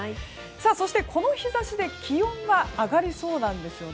そして、この日差しで気温が上がりそうなんです。